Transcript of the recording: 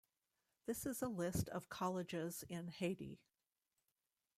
This is a list of colleges in Haiti.